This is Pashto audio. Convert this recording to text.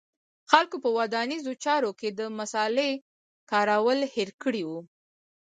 خلکو په ودانیزو چارو کې د مصالې کارول هېر کړي و